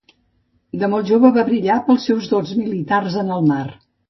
De molt jove va brillar pels seus dots militars en el mar.